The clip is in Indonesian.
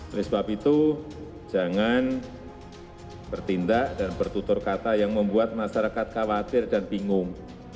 oleh sebab itu jangan bertindak dan bertutur kata yang membuat masyarakat khawatir dan bingung